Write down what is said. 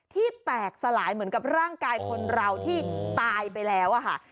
ที่แตกสลายเหมือนกับร่างกายคนเราที่ตายไปแล้วค่ะ